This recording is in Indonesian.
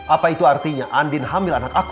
apa itu artinya andin hamil anak aku